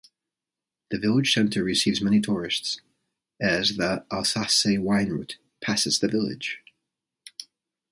The village centre receives many tourists, as the Alsace "Wine Route" passes the village.